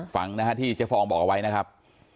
ฟังนะฮะที่เจ๊ฟองบอกเอาไว้นะครับ